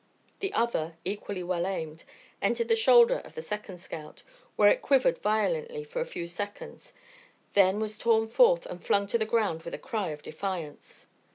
The other, equally well aimed, entered the shoulder of the second scout, where it quivered violently for a few seconds, then was torn forth and flung to the ground with a cry of defiance.